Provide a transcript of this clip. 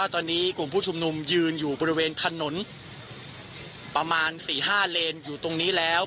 ตอนนี้กลุ่มผู้ชุมนุมยืนอยู่บริเวณถนนประมาณ๔๕เลนอยู่ตรงนี้แล้ว